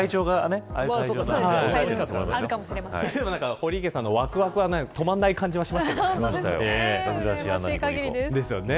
堀池さんのわくわくが止まらない感じはしましたよね。